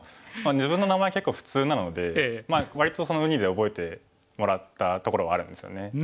自分の名前結構普通なので割とそのウニで覚えてもらったところはあるんですよね。